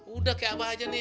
udah kayak apa aja nih